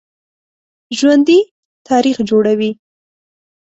ژوندي تاریخ جوړوي